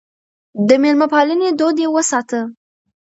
د مېلمه پالنې دود يې وساته.